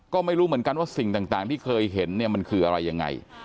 ก็ไม่รู้เหมือนกันว่าสิ่งต่างที่เคยเห็นเนี่ยมันคืออะไรยังไง